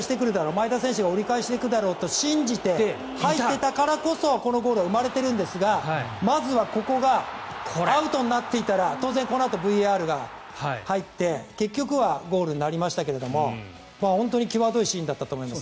前田選手が折り返してくるだろうと信じて入っていたからこそこのゴールは生まれているんですがまずはここがアウトになっていたら当然このあとＶＡＲが入って結局はゴールになりましたけれども本当に際どいシーンだったと思います。